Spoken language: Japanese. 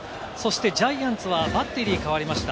ジャイアンツはバッテリーが代わりました。